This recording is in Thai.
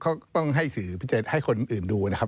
เขาต้องให้สื่อให้คนอื่นดูนะครับ